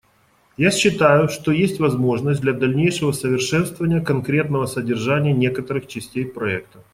Я считаю, что есть возможность для дальнейшего совершенствования конкретного содержания некоторых частей проекта.